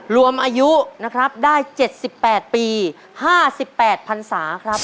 รวมอายุนะครับได้๗๘ปี๕๘พันศาครับ